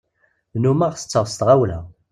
Nnumeɣ tetteɣ s tɣawla.